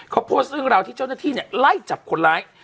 เขาโพสต์เรื่องราวที่เจ้าหน้าที่ไล่จับคนร้าย